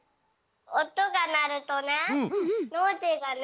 おとがなるとねノージーがね